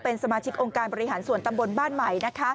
เป็นสมาชิกองค์การบริหารส่วนตำบลบ้านใหม่